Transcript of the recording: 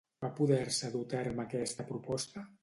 Va poder-se dur a terme aquesta proposta?